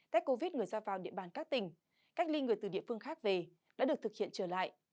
cách covid người ra vào địa bàn các tỉnh cách ly người từ địa phương khác về đã được thực hiện trở lại